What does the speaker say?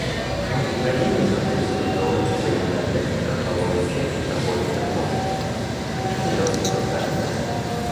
На ўзбраенні знаходзіцца зброя і ваенная тэхніка галоўным чынам заходняй вытворчасці, прычым досыць састарэлая.